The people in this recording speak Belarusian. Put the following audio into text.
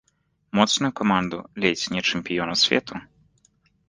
Моцную каманду, ледзь не чэмпіёна свету.